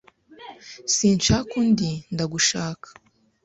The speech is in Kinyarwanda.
Sinshaka undi Ndagushaka